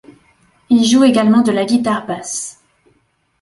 Il joue également de la guitare basse.